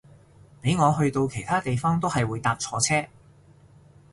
俾我去到其他地方都係會搭錯車